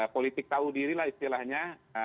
politik tahu diri lah istilahnya